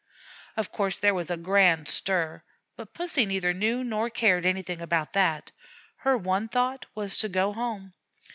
Of course there was a grand stir; but Pussy neither knew nor cared anything about that her one thought was to go home.